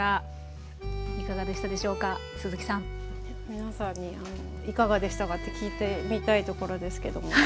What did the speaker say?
皆さんにいかがでしたか？って聞いてみたいところですけども。